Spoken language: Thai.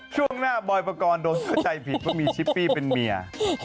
ช่วงหน้าบอยปกรณ์โดนเข้าใจผิดว่ามีชิปปี้เป็นเมีย